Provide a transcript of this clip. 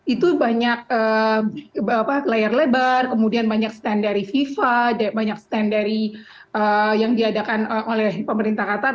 itu banyak layar lebar kemudian banyak stand dari fifa banyak stand dari yang diadakan oleh pemerintah qatar